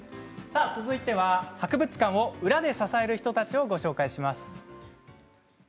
続いては博物館を裏で支える人たちをご紹介します。